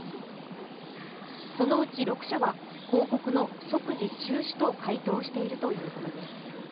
そのうち６社は広告の即時中止と回答しているということです。